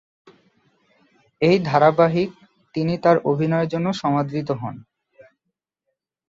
এই ধারাবাহিকে তিনি তার অভিনয়ের জন্য সমাদৃত হন।